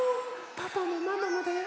パパもママもだよ？